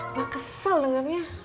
emak kesel dengarnya